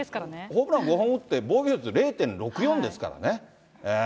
ホームラン５本打って防御率０．６４ですからね。